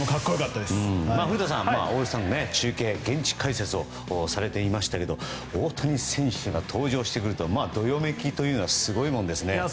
古田さん、オールスターの中継現地解説をされていましたが大谷選手が登場してくるとどよめきというのはすごいものですね。